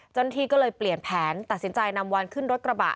เจ้าหน้าที่ก็เลยเปลี่ยนแผนตัดสินใจนำวานขึ้นรถกระบะ